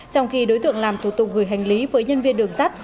trong khi đối tượng làm thủ tục gửi hành lý với nhân viên đường sắt